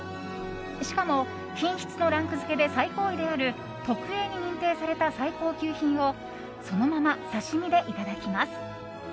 しかも品質のランク付けで最高位である特Ａに認定された最高級品をそのまま刺し身でいただきます。